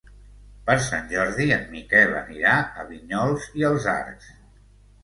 Per Sant Jordi en Miquel anirà a Vinyols i els Arcs.